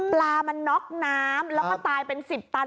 ปลามันน็อกน้ำแล้วก็ตายเป็น๑๐ตัน